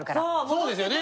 そうですよね。